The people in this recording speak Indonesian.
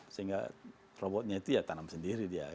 sehingga robotnya itu ya tanam sendiri dia